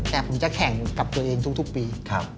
แต่ผมจะแข่งกับตัวเองทุกปี